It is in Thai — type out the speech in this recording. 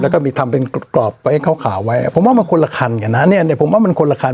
แล้วก็มีทำเป็นกรอบไว้ขาวไว้ผมว่ามันคนละคันกันนะเนี่ยผมว่ามันคนละคัน